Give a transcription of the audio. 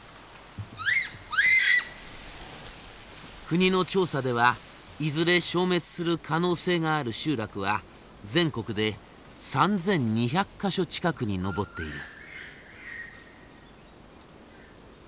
国の調査ではいずれ消滅する可能性がある集落は全国で３，２００か所近くに上っている。